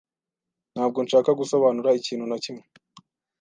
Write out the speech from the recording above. Ntabwo nshaka gusobanura ikintu na kimwe.